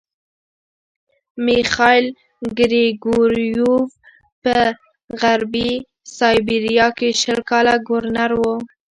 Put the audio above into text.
میخایل ګریګورویوف په غربي سایبیریا کې شل کاله ګورنر وو.